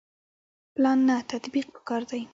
پلان نه تطبیق پکار دی